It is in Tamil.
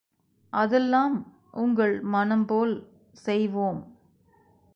அதெல்லாம் உங்கள் மனம்போல் செய்வோம்.